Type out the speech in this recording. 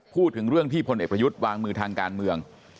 พูดถึงเรื่องที่พลเอกประยุทธ์วางมือทางการเมือง